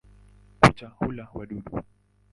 Kucha hula wadudu.